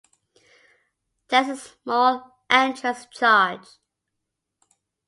There is a small entrance charge.